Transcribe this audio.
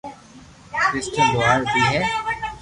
ڪرسٽن لوھار بي ھي